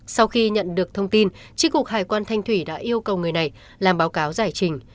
sau khi nhận được thông tin tri cục hải quan thanh thủy đã yêu cầu người này làm báo cáo giải trình